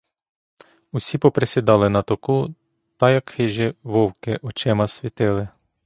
Усі поприсідали на току, та, як хижі вовки, очима світили.